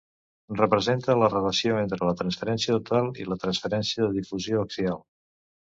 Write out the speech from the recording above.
Representa la relació entre la transferència total i la transferència de difusió axial.